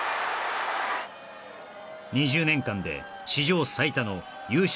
２０年間で史上最多の優勝